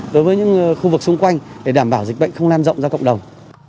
đối với những khu vực xung quanh để đảm bảo dịch bệnh không lan rộng ra cộng đồng